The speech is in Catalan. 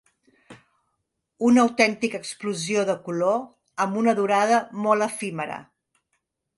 Una autèntica explosió de color amb una durada molt efímera.